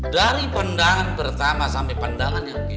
dari pandangan pertama sampe pandangan yang ke dua